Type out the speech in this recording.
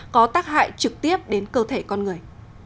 có tác hại trực tiếp đến cơ thể con người